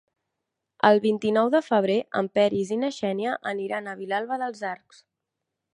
El vint-i-nou de febrer en Peris i na Xènia aniran a Vilalba dels Arcs.